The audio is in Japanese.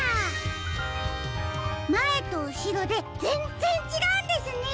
まえとうしろでぜんぜんちがうんですね！